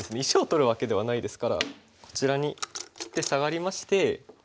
石を取るわけではないですからこちらに切ってサガりまして。